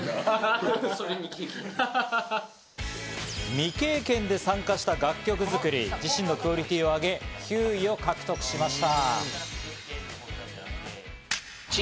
未経験で参加した楽曲作り、自身のクオリティーを上げ９位を獲得しました。